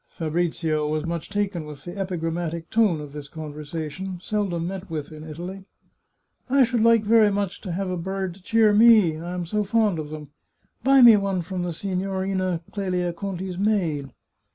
Fabrizio was much taken with the epigrammatic tone of this conversation, seldom met with in Italy. " I should very much like to have a bird to cheer me, I am so fond of them. Buy me one from the Signorina Clelia Conti's maid."